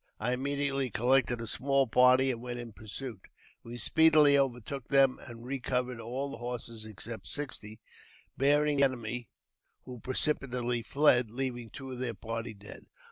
II immediately collected a small party and went in pursuit. • Wl" speedily overtook them, and recovered all the horses except sixty, bearing the enemy, who precipitately fled, leaving two of their party dead.